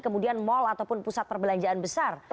kemudian mal ataupun pusat perbelanjaan besar